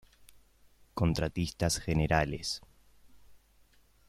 Contratistas Generales.